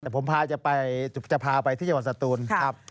ผมพาจะไปจะพาไปที่จังหวัดศาตูนครับ